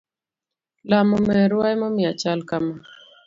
Lamo merwa emomiyo achal kama